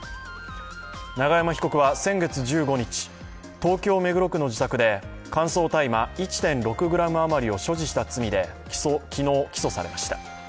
永山被告は先月１５日、東京・目黒区の自宅で乾燥大麻１．６ｇ余りを所持した罪で昨日、起訴されました。